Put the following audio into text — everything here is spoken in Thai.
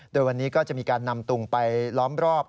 โดยวันนี้ก็จะมีการนำตุงไปล้อมรอบ